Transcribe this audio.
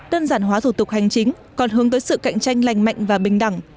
đơn giản hóa thủ tục hành chính còn hướng tới sự cạnh tranh lành mạnh và bình đẳng